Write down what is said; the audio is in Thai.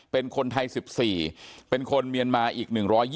เป็นคนไทย๑๔เป็นคนเมียนมาอีก๑๒๐